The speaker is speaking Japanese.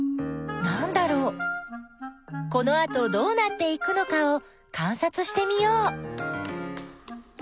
このあとどうなっていくのかをかんさつしてみよう。